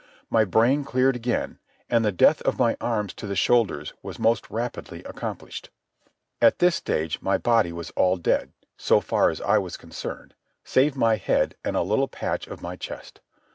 My brain cleared again, and the death of my arms to the shoulders was most rapidly accomplished. At this stage my body was all dead, so far as I was concerned, save my head and a little patch of my chest.